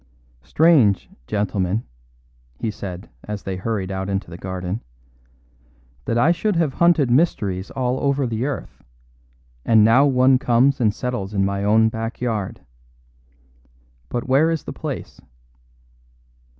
"Strange, gentlemen," he said as they hurried out into the garden, "that I should have hunted mysteries all over the earth, and now one comes and settles in my own back yard. But where is the place?"